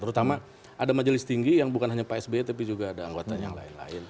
terutama ada majelis tinggi yang bukan hanya pak sby tapi juga ada anggota yang lain lain